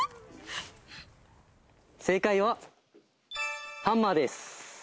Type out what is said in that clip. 正解はハンマーです。